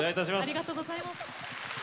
ありがとうございます。